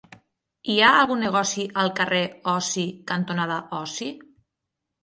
Hi ha algun negoci al carrer Osi cantonada Osi?